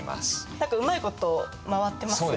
何かうまいこと回ってますね。